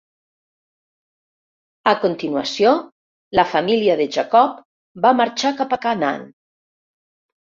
A continuació, la família de Jacob va marxar cap a Canaan.